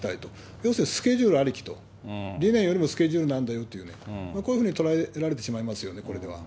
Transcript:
要するにスケジュールありきと、理念よりもスケジュールなんだよと、こういうふうにとらえられてしまいますよね、これでは。